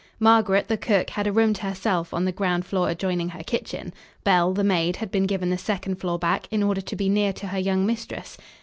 Margaret, the cook, had a room to herself on the ground floor adjoining her kitchen. Belle, the maid, had been given the second floor back, in order to be near to her young mistress.